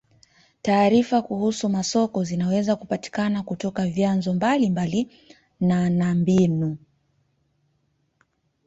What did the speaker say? Taarifa kuhusu masoko zinaweza kupatikana kutoka vyanzo mbalimbali na na mbinu.